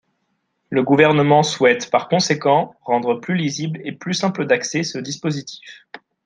Le Gouvernement souhaite, par conséquent, rendre plus lisible et plus simple d’accès ce dispositif.